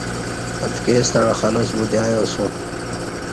اتکِی ستݩع خلاس بوتے ا یاسم